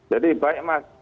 jadi baik mas